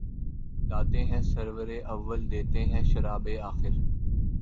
لاتے ہیں سرور اول دیتے ہیں شراب آخر